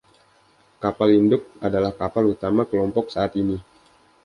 Kapal induk adalah kapal utama kelompok saat ini.